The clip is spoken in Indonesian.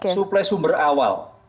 suplai sumber awal